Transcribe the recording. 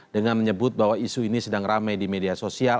dengan menyebut bahwa isu ini sedang ramai di media sosial